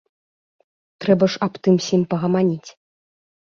Трэба ж аб тым-сім пагаманіць.